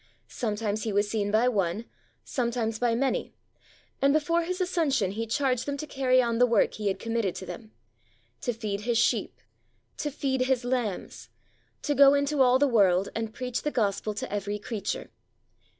Sometimes He was seen by one, sometimes by many; and before His ascension He charged them to carry on the work He had committed to them: to feed His sheep, to feed His lambs, to go into all the world and preach the Gospel to every creature.